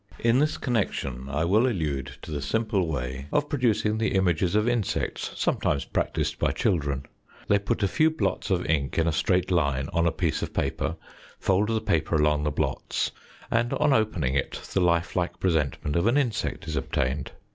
In this connection I will allude to the simple way of producing THE SIGNIFICANCE OF A FOUR DIMENSIONAL EXISTENCE 19 the images of insects, sometimes practised by children. They put a few blots of ink in a straight line on a piece of paper, fold the paper along the blots, and on opening it the lifelike presentment of an insect is obtained.